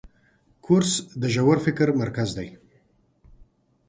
کورس د ژور فکر مرکز دی.